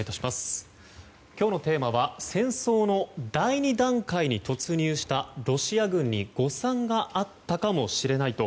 今日のテーマは戦争の第２段階に突入したロシア軍に誤算があったかもしれないと。